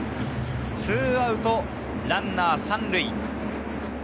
２アウトランナー３塁。